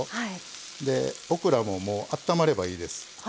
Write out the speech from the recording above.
オクラもあったまればいいです。